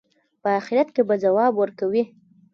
په آخرت کې به ځواب ورکوي.